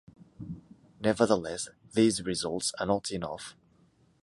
Nevertheless, these results are not enough.